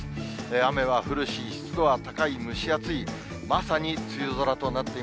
雨は降るし、湿度は高い、蒸し暑い。